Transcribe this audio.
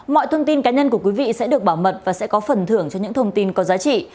mọi thông tin cá nhân của quý vị sẽ được bảo mật và sẽ có phần thưởng cho những thông tin có giá trị